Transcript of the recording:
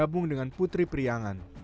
bergabung dengan putri priangan